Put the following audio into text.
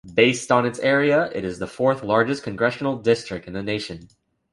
Based on area, it is the fourth largest congressional district in the nation.